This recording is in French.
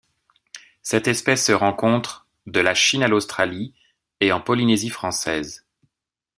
Cette espèce se rencontre de la Chine à l'Australie et en Polynésie française.